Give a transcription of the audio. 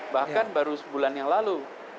bahkan baru sebulan yang lalu